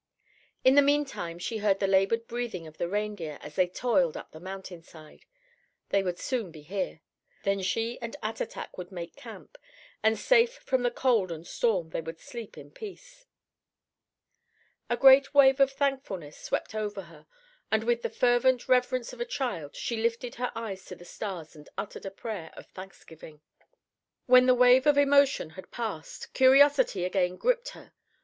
In the meantime she heard the labored breathing of the reindeer as they toiled up the mountainside. They would soon be here. Then she and Attatak would make camp, and safe from the cold and storm, they would sleep in peace. A great wave of thankfulness swept over her, and with the fervent reverence of a child, she lifted her eyes to the stars and uttered a prayer of thanksgiving. When the wave of emotion had passed, curiosity again gripped her.